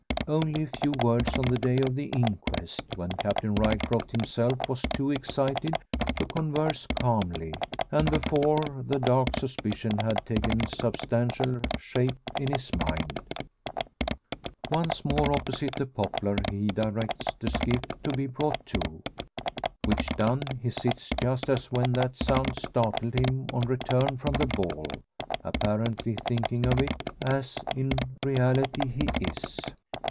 Only a few words on the day of the inquest; when Captain Ryecroft himself was too excited to converse calmly, and before the dark suspicion had taken substantial shape in his mind. Once more opposite the poplar he directs the skiff to be brought to. Which done, he sits just as when that sound startled him on return from the ball; apparently thinking of it, as in reality he is.